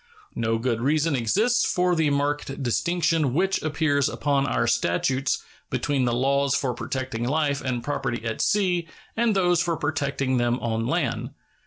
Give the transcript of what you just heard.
No good reason exists for the marked distinction which appears upon our statutes between the laws for protecting life and property at sea and those for protecting them on land.